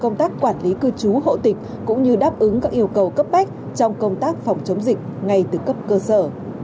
công tác quản lý cư trú hộ tịch cũng như đáp ứng các yêu cầu cấp bách trong công tác phòng chống dịch ngay từ cấp cơ sở